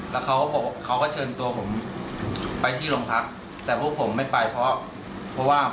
แล้วเขาก็เชิญตัวผมไปที่โรงพักแต่พวกผมไม่ไปเพราะว่า